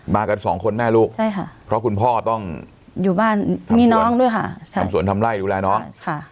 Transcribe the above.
กันสองคนแม่ลูกใช่ค่ะเพราะคุณพ่อต้องอยู่บ้านมีน้องด้วยค่ะทำสวนทำไล่ดูแลน้องค่ะ